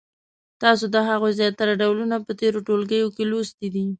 تاسو د هغو زیاتره ډولونه په تېرو ټولګیو کې لوستي دي.